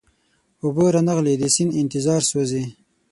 اوبه را نغلې د سیند انتظار سوزی